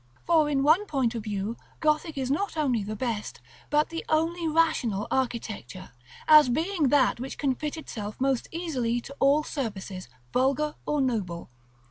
For in one point of view Gothic is not only the best, but the only rational architecture, as being that which can fit itself most easily to all services, vulgar or noble.